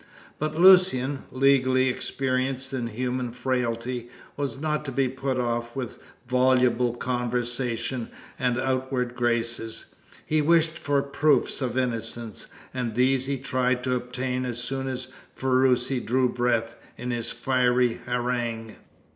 But Lucian, legally experienced in human frailty, was not to be put off with voluble conversation and outward graces. He wished for proofs of innocence, and these he tried to obtain as soon as Ferruci drew breath in his fiery harangue.